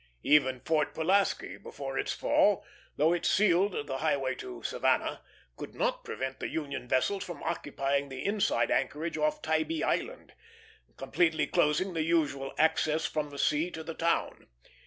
Even Fort Pulaski, before its fall, though it sealed the highway to Savannah, could not prevent the Union vessels from occupying the inside anchorage off Tybee Island, completely closing the usual access from the sea to the town.